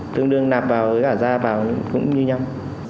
tương đương nạp vào với cả ra vào cũng như nhau